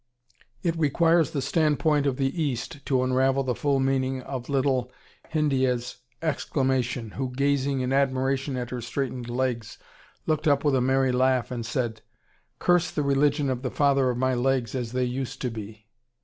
It requires the standpoint of the East to unravel the full meaning of little Hindiyeh's exclamation, who, gazing in admiration at her straightened legs, looked up with a merry laugh and said: "Curse the religion of the father of my legs as they used to be!"